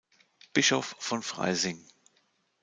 Bischof von Freising.